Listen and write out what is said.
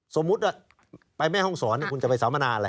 สมมุติไปแม่ห้องสรคุณจะไปสำนานะอะไร